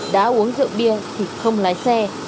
đã uống rượu bia thì không lái xe